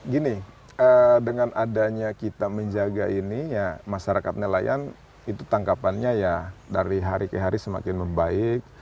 gini dengan adanya kita menjaga ini ya masyarakat nelayan itu tangkapannya ya dari hari ke hari semakin membaik